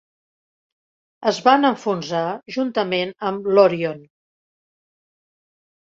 Es van enfonsar juntament amb l'"Orion".